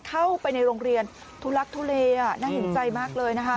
เข้าไปในโรงเรียนทุลักทุเลน่าเห็นใจมากเลยนะคะ